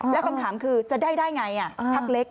แล้วคำถามคือจะได้ได้ไงพักเล็ก